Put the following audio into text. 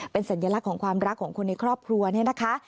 เป็นสัญลักษณ์ของความรักของคนในครอบครัวเนี่ยนะคะ